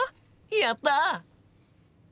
やった！